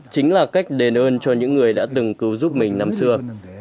chính là cách đền ơn cho những người đã từng cứu giúp mình năm xưa